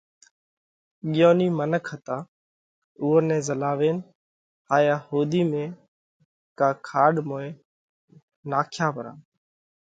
ڳيونِي منک هتا اُوئون نئہ زهلاوينَ هايا هوڌِي ۾ ڪا کاڏ موئين نکايا پرا۔